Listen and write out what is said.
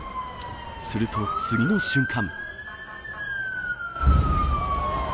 すると、次の瞬間。